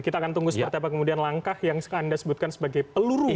kita akan tunggu seperti apa kemudian langkah yang anda sebutkan sebagai peluru